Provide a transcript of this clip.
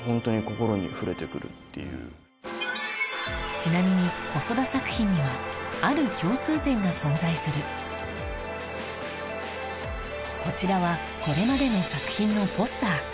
ちなみに細田作品にはある共通点が存在するこちらはこれまでの作品のポスター